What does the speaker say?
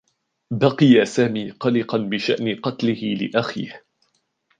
بقي سامي قلقا بشأن قتله لأخيه.